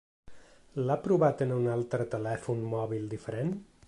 L'ha provat en un altre telèfon mòbil diferent?